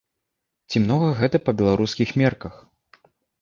Ці многа гэта па беларускіх мерках?